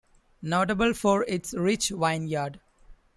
Notable for its rich vineyards.